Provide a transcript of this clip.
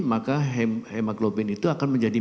maka hemaglobin itu akan menjadi